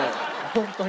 ホントに。